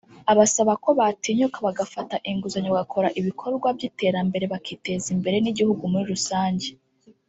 abasaba ko batinyuka bagafata inguzanyo bagakora ibikorwa by’iterambere bakiteza imbere n’igihugu muri rusange